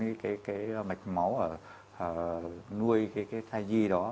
những cái mạch máu nuôi cái thai di đó